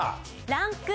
ランク３。